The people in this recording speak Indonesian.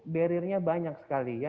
barrier nya banyak sekali